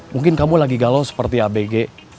mungkin kamu lagi galau seperti abg